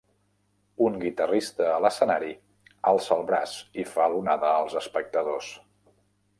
Un guitarrista a l'escenari alça el braç i fa l'onada als espectadors.